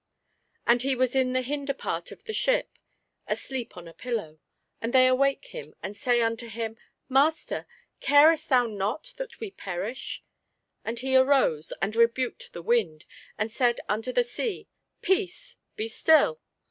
And he was in the hinder part of the ship, asleep on a pillow: and they awake him, and say unto him, Master, carest thou not that we perish? And he arose, and rebuked the wind, and said unto the sea, Peace, be still.